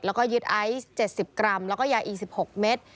แล้วก็ยึดไอซ์๗๐กรัมแล้วก็ยาอีก๑๖เม็ด